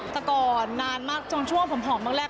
แต่ก่อนนานมากจ้งช่วงเหลือผมผอมมากแรก